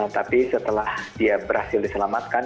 tapi setelah dia berhasil diselamatkan